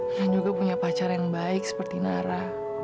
kalian juga punya pacar yang baik seperti nara